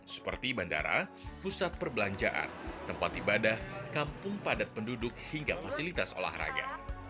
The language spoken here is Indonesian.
seperti bandara pusat perbelanjaan tempat ibadah kampung padat penduduk hingga fasilitas olahraga